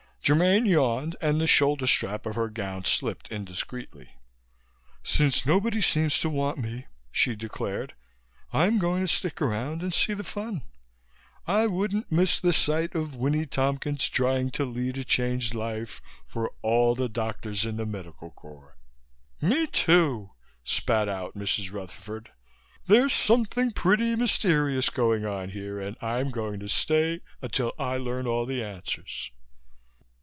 Germaine yawned and the shoulder strap of her gown slipped indiscreetly. "Since nobody seems to want me," she declared, "I'm going to stick around and see the fun. I wouldn't miss the sight of Winnie Tompkins trying to lead a changed life for all the doctors in the Medical Corps." "Me too!" spat out Mrs. Rutherford. "There's something pretty mysterious going on here and I'm going to stay until I learn all the answers."